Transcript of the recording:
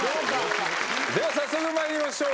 早速まいりましょう。